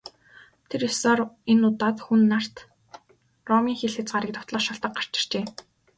Тэр ёсоор энэ удаад Хүн нарт Ромын хил хязгаарыг довтлох шалтаг гарч иржээ.